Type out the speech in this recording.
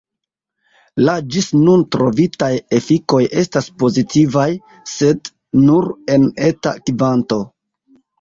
La ĝis nun trovitaj efikoj estas pozitivaj, sed nur en eta kvanto.